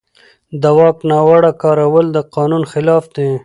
د واک ناوړه کارول د قانون خلاف دي.